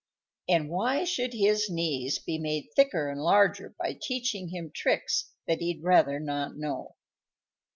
And why should his knees be made thicker and larger By teaching him tricks that he'd rather not know?